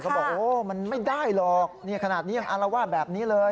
บอกโอ้มันไม่ได้หรอกขนาดนี้ยังอารวาสแบบนี้เลย